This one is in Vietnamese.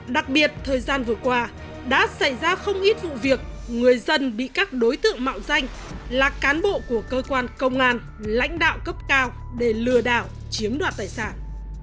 đặc biệt thời gian vừa qua đã xảy ra không ít vụ việc người dân bị các đối tượng mạo danh là cán bộ của cơ quan công an lãnh đạo cấp cao để lừa đảo chiếm đoạt tài sản